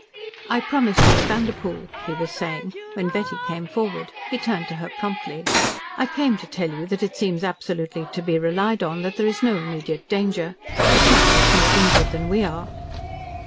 "I promised Miss Vanderpoel " he was saying, when Betty came forward. He turned to her promptly. "I come to tell you that it seems absolutely to be relied on that there is no immediate danger. The tramp is more injured than we are."